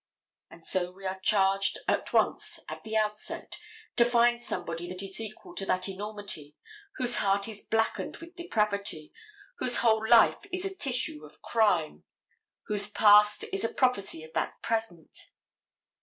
And so we are charged at once, at the outset, to find somebody that is equal to that enormity, whose heart is blackened with depravity, whose whole life is a tissue of crime, whose past is a prophecy of that present.